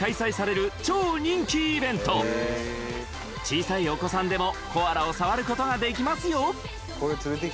小さいお子さんでもコアラを触ることができますよ